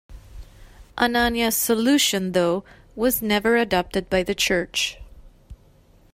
Anania's solution, though, was never adopted by the Church.